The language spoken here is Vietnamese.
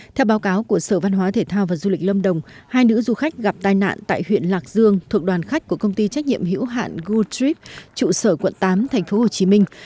theo báo cáo của sở văn hóa thể thao và du lịch lâm đồng hai nữ du khách gặp tai nạn tại huyện lạc dương thuộc đoàn khách của công ty trách nhiệm hữu hạn good trip trụ sở quận tám tp hcm